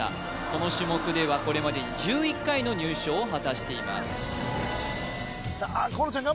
この種目ではこれまでに１１回の入賞を果たしていますさあ河野ちゃん